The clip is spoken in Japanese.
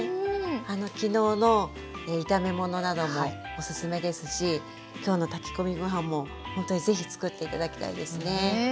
昨日の炒め物などもおすすめですしきょうの炊き込みご飯もほんとに是非つくって頂きたいですね。